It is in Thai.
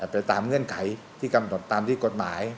ไปตามเงื่อนไขที่กำหนดตามที่กฎหมาย